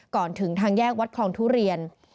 ก่อนถึงทางแยกวัดคลองทุเรียน